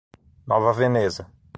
Nova Veneza